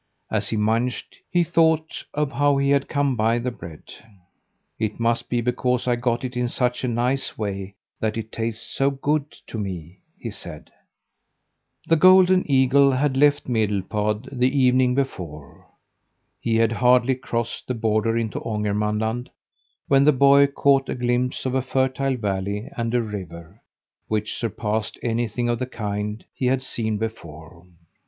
As he munched he thought of how he had come by the bread. "It must be because I got it in such a nice way that it tastes so good to me," he said. The golden eagle had left Medelpad the evening before. He had hardly crossed the border into Ångermanland when the boy caught a glimpse of a fertile valley and a river, which surpassed anything of the kind he had seen before.